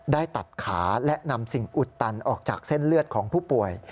ได้ตัดขาและนำสิ่งอุดตันออกจากเส้นเลือดของผู้ป่วย